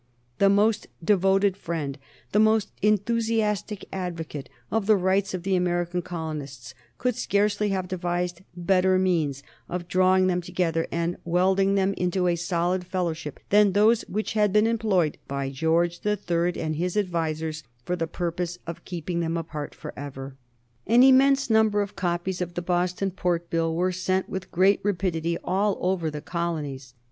The most devoted friend, the most enthusiastic advocate of the rights of the American colonists could scarcely have devised better means of drawing them together and welding them into a solid fellowship than those which had been employed by George the Third and his advisers for the purpose of keeping them apart forever. [Sidenote: 1774 General Gage] An immense number of copies of the Boston Port Bill were sent with great rapidity all over the colonies.